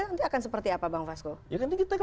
nanti akan seperti apa bang vasco ya nanti kita